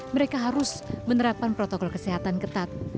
mereka harus menerapkan protokol kesehatan ketat